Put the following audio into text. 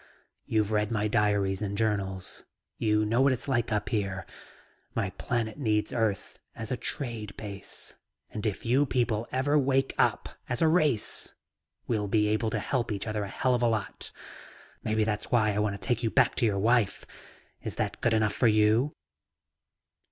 You've read my diaries and journals. You know what it's like up here. My planet needs Earth as a trade base, and if you people ever wake up as a race, we'll be able to help each other a hell of a lot. Maybe that's why I want to take you back to your wife. Is that good enough for you?"